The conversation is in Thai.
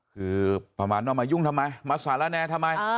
คือประมาณว่ามายุ่งทำไมมาสารแนทำไม